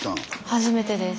初めてです。